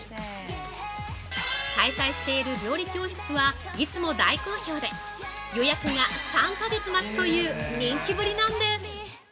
開催している料理教室はいつも大好評で予約が３か月待ちという人気ぶりなんです！